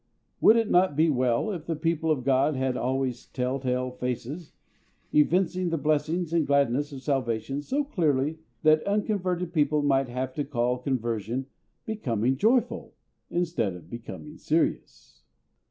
Would it not be well if the people of GOD had always tell tale faces, evincing the blessings and gladness of salvation so clearly that unconverted people might have to call conversion "becoming joyful" instead of "becoming serious"?